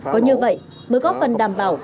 có như vậy mới góp phần đảm bảo